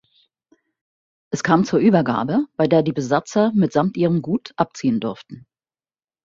Es kam zur Übergabe, bei der die Besatzer, mitsamt ihrem Gut, abziehen durften.